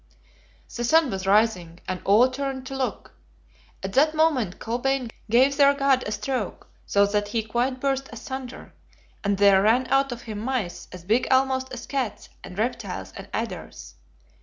"The sun was rising, and all turned to look. At that moment Kolbein gave their God a stroke, so that he quite burst asunder; and there ran out of him mice as big almost as cats, and reptiles and adders.